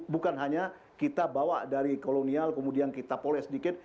bukan hanya kita bawa dari kolonial kemudian kita poleh sedikit